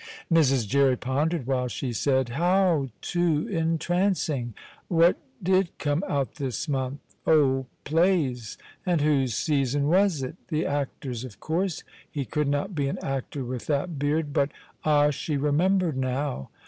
Mrs. Jerry pondered while she said: "How too entrancing!" What did come out this month? Oh, plays! And whose season was it? The actor's, of course! He could not be an actor with that beard, but ah, she remembered now!